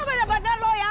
lu bener bener lu ya